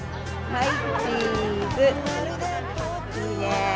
はい。